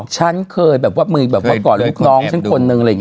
ฉันเคยก่อนลูกน้องเช่นนึง